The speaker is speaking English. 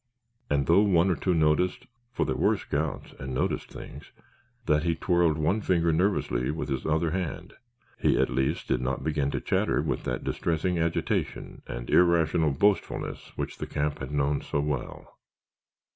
And though one or two noticed (for they were scouts and noticed things) that he twirled one finger nervously with his other hand, he at least did not begin to chatter with that distressing agitation and irrational boastfulness which the camp had known so well.